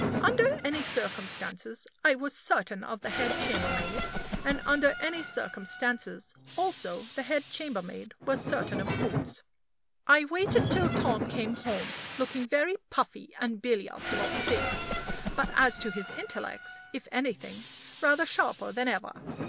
Under any circumstances, I was certain of the head chambermaid; and under any circumstances, also, the head chambermaid was certain of Boots. I waited till Tom came home, looking very puffy and bilious about the face; but as to his intellects, if anything, rather sharper than ever.